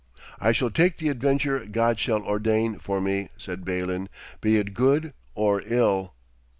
'I shall take the adventure God shall ordain for me,' said Balin, 'be it good or ill.'